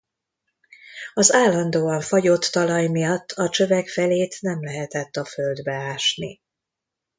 Az állandóan fagyott talaj miatt a csövek felét nem lehetett a földbe ásni.